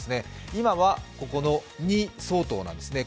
今は、ここの２相当なんですね。